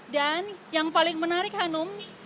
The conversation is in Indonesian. dan yang paling menarik hanum